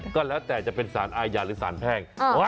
ก็แล้วแต่จะเป็นสารอาญาหรือสารแพ่ง